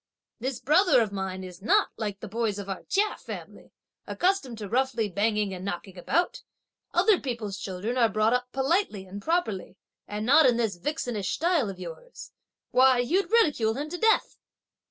This brother of mine is not, like the boys of our Chia family, accustomed to roughly banging and knocking about. Other people's children are brought up politely and properly, and not in this vixenish style of yours. Why, you'd ridicule him to death!"